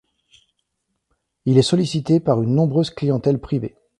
Il est sollicité par une nombreuse clientèle privée.